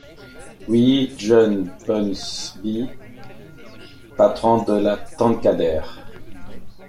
Oui, John Bunsby, patron de la Tankadère.